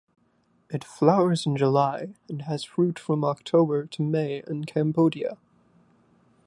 It flowers in July and has fruit from October to May in Cambodia.